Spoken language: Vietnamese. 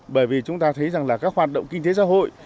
bởi vì chúng ta thấy rằng là các hoạt động kinh tế xã hội